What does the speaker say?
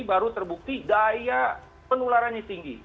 baru terbukti daya penularannya tinggi